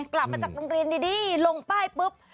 กลับมาจากโรงเรียนดีลงป้ายปุ๊บ